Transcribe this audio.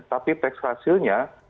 tapi teks hasilnya dua ribu sembilan belas